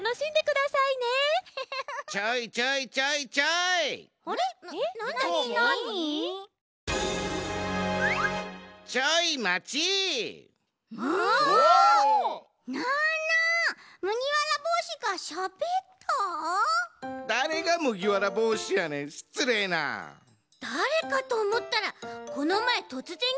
だれかとおもったらこのまえとつぜんきたＵＦＯくんだち！